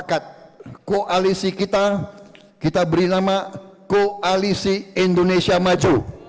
kekuluran dan ppb